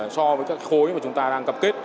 so với các khối mà chúng ta đang tập kết